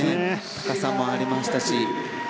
高さもありましたし。